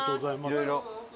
いろいろ。